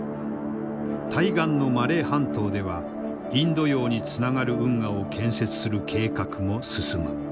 対岸のマレー半島ではインド洋につながる運河を建設する計画も進む。